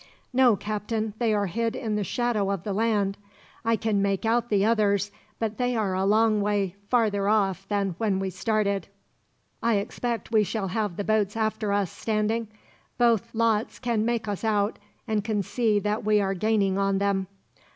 "No, Captain. They are hid in the shadow of the land. I can make out the others, but they are a long way farther off than when we started." "I expect we shall have the boats after us, Standing. Both lots can make us out, and can see that we are gaining on them.